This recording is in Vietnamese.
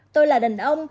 tôi là đàn ông